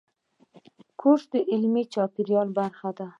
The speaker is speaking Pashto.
کورس د علمي چاپېریال برخه ده.